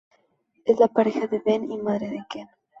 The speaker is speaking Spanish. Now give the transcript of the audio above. Es la pareja de Ben y madre de Ken.